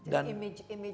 dan image nya terbangun